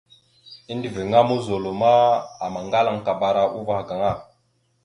Endəveŋá muzol ma, aŋgalaŋkabara uvah gaŋa.